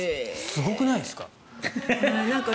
すごくないですか？